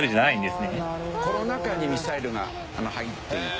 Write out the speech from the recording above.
この中にミサイルが入っていて。